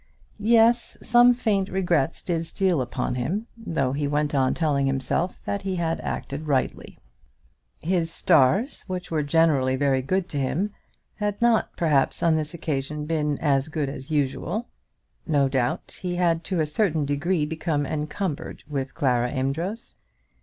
Yes; some faint regrets did steal upon him, though he went on telling himself that he had acted rightly. His stars, which were generally very good to him, had not perhaps on this occasion been as good as usual. No doubt he had to a certain degree become encumbered with Clara Amedroz.